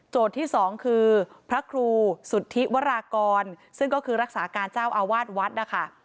ที่สองคือพระครูสุทธิวรากรซึ่งก็คือรักษาการเจ้าอาวาสวัดนะคะ